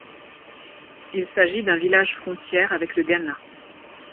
Il s'agit d'un village-frontière avec le Ghana.